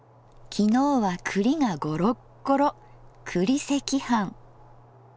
昨日は栗がゴロッゴロ栗赤飯。